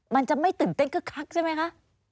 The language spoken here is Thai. มันจะไม่ตื่นเต้นคึกคักใช่ไหมคะ